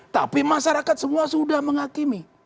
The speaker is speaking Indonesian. tapi masyarakat semua sudah menghakimi